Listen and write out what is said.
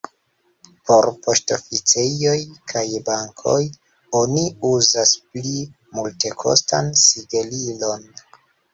Por poŝtoficejoj kaj bankoj oni uzas pli multekostan sigelilon.